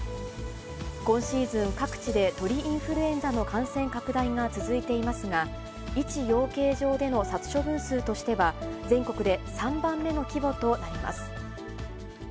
今シーズン各地で鳥インフルエンザの感染拡大が続いていますが、１養鶏場での殺処分数としては、全国で３番目の規模となります。